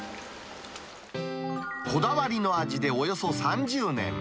こだわりの味でおよそ３０年。